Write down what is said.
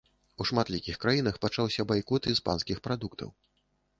У шматлікіх краінах пачаўся байкот іспанскіх прадуктаў.